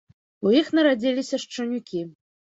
У іх нарадзіліся шчанюкі.